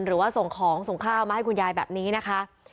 หรือว่าส่งของส่งข้าวมาให้คุณยายแบบนี้นะคะ